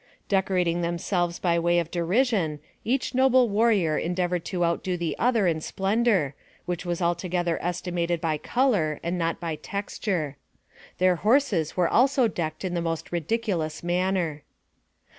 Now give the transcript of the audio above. Decorating themselves by way of derision, each noble warrior endeavored to outdo the other in splen dor, which was altogether estimated by color, and not by texture. Their horses were also decked in the most ridiculous manner.